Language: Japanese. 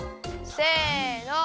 せの。